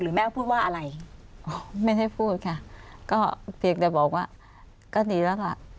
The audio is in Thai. แม่พูดว่าอะไรไม่ได้พูดค่ะก็เพียงแต่บอกว่าก็ดีแล้วล่ะ